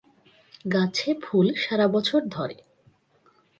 গাছে ফুল সারাবছর ধরে।